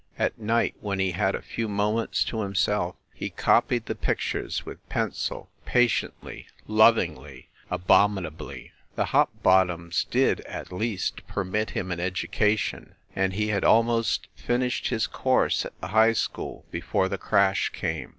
At night, when he had a few moments to himself, he copied the pictures with pen cil, patiently, lovingly, abominably. The Hopbottoms did, at least, permit him an edu cation ; and he had almost finished his course at the high school, before the crash came.